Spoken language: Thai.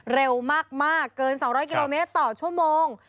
เร็วมากเกิน๒๐๐กิโลเมตรต่อชั่วโมง